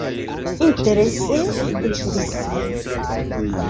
Interese, interese.